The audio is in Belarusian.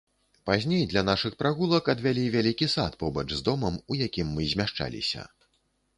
Пазней для нашых прагулак адвялі вялікі сад побач з домам, у якім мы змяшчаліся.